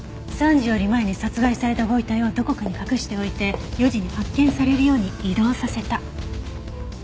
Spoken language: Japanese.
３時より前に殺害されたご遺体をどこかに隠しておいて４時に発見されるように移動させた。